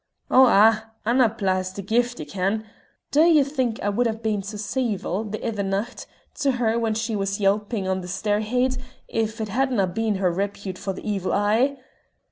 "Oh, ah! Annapla has the Gift, ye ken. Dae ye think I wad hae been sae ceevil the ither nicht to her when she was yelping on the stair heid if it hadna been her repute for the Evil E'e?